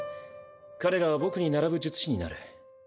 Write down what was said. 彼らは僕に並ぶ術師になる。